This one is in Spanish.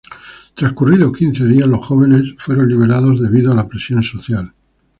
Transcurridos quince días, los jóvenes fueron liberados debido a la presión social.